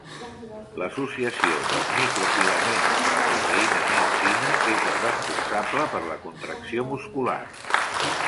L'associació dels microfilaments amb la proteïna miosina és la responsable per la contracció muscular.